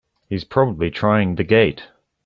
He's probably trying the gate!